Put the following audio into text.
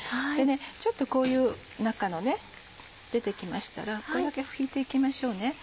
ちょっとこういう中の出てきましたらこれだけ拭いていきましょうね。